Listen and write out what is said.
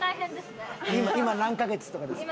今何カ月とかですか？